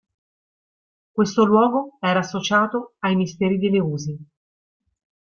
Questo luogo era associato ai Misteri di Eleusi.